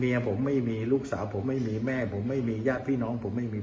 ผมไม่มีลูกสาวผมไม่มีแม่ผมไม่มีญาติพี่น้องผมไม่มี